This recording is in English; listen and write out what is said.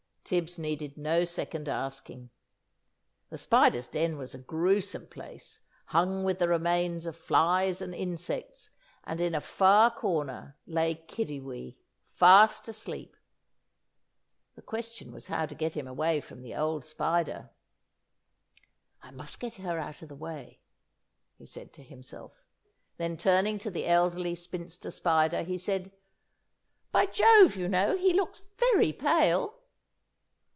Tibbs needed no second asking. The Spider's den was a gruesome place hung with the remains of flies and insects and in a far corner lay Kiddiwee, fast asleep. The question was how to get him away from the old Spider. "I must get her out of the way," he said to himself. Then, turning to the Elderly Spinster Spider, he said, "By Jove, you know, he looks very pale."